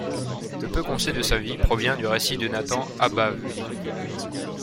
Le peu qu'on sait de sa vie provient du récit de Nathan HaBavli.